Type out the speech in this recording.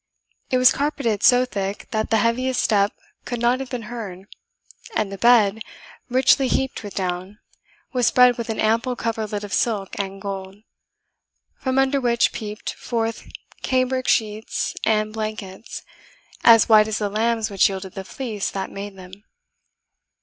It was carpeted so thick that the heaviest step could not have been heard, and the bed, richly heaped with down, was spread with an ample coverlet of silk and gold; from under which peeped forth cambric sheets and blankets as white as the lambs which yielded the fleece that made them.